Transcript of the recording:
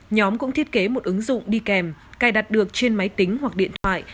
nhóm cũng thiết kế một ứng dụng đi kèm cài đặt được trên máy tính hoặc điện thoại